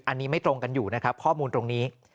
อันนี้ไม่ตรงกันอยู่นะครับข้อมูลตรงนี้